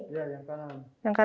iya yang kanan